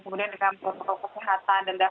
kemudian dengan protokol kesehatan dan